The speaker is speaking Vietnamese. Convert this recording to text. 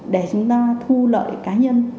để chúng ta thu lợi cá nhân